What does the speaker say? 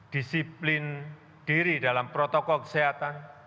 disiplin diri dalam protokol kesehatan